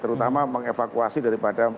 terutama mengevakuasi daripada